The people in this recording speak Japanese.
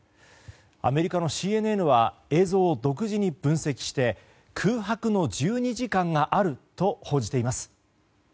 アメリカのＣＮＮは映像を独自に分析して空白の１２時間があると報じています。